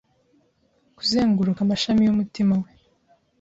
Kuzenguruka amashami yumutima we